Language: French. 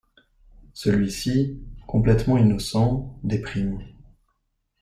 Celui-ci, complètement innocent, déprime.